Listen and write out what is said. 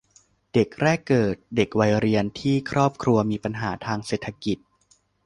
เด็กแรกเกิด เด็กวัยเรียนที่ครอบครัวมีปัญหาทางเศรษฐกิจ